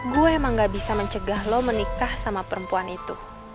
gue emang gak bisa mencegah lo menikah sama perempuan itu